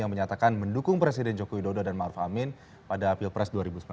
yang menyatakan mendukung presiden joko widodo dan maruf amin pada pilpres dua ribu sembilan belas